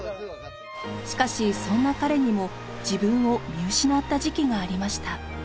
しかしそんな彼にも自分を見失った時期がありました。